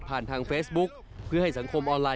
ทางเฟซบุ๊คเพื่อให้สังคมออนไลน